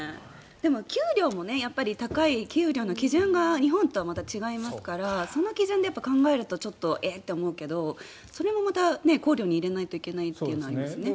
でも給料もやっぱり高い給料の基準が日本とはまた違いますからその基準で考えるとちょっとえっ？って思うけどそれもまた考慮に入れないといけないというところがありますよね。